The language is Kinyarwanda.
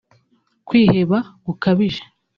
kwiheba gukabije